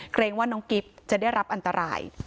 เกรงว่าน้องกิ๊บจะได้รับอันตราย